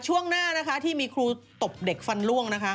ช่วงหน้านะคะที่มีครูตบเด็กฟันล่วงนะคะ